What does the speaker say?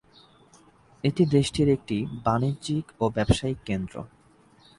এটি দেশটির একটি বাণিজ্যিক ও ব্যবসায়িক কেন্দ্র।